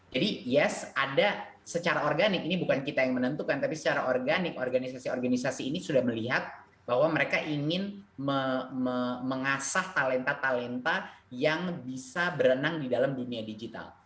jadi yes ada secara organik ini bukan kita yang menentukan tapi secara organik organisasi organisasi ini sudah melihat bahwa mereka ingin mengasah talenta talenta yang bisa berenang di dalam dunia digital